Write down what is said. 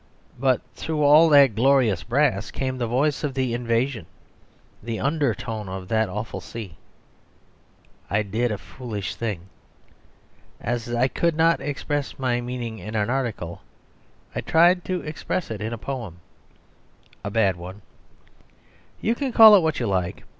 But through all that glorious brass came the voice of the invasion, the undertone of that awful sea. I did a foolish thing. As I could not express my meaning in an article, I tried to express it in a poem a bad one. You can call it what you like.